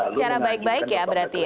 secara baik baik ya berarti ya